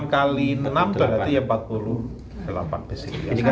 enam kali enam berarti ya empat puluh delapan besi